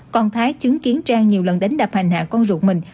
còn thái chứng kiến trang nhiều lần đánh đập hành hạ con ruột mình